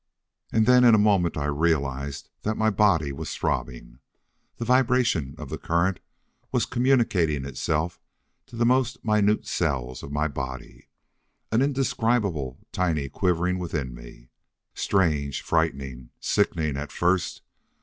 And then in a moment I realized that my body was throbbing. The vibration of the current was communicating itself to the most minute cells of my body. An indescribable tiny quivering within me. Strange, frightening, sickening at first.